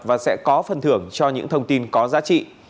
và sẽ có phần thưởng cho những thông tin có giá trị